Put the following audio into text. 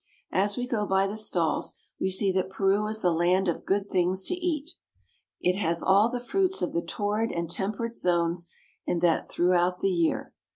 As we go by the stalls we see that Peru is a land of good things to eat. It has all the fruits of the torrid and temperate zones, and that throughout the year.